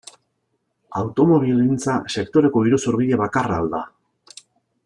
Automobilgintza sektoreko iruzurgile bakarra al da?